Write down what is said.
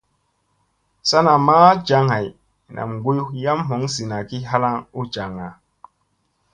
Sa namma jaŋ hay, nam guy yam hoŋ zina ki halaŋ u jaŋga.